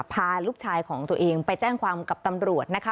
พาลูกชายของตัวเองไปแจ้งความกับตำรวจนะคะ